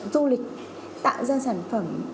du lịch tạo ra sản phẩm